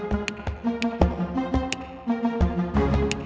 isi yang bener semua